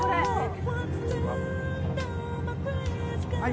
はい。